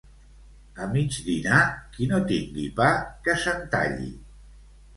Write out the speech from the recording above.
A mig dinar, qui no tingui pa, que se'n talli.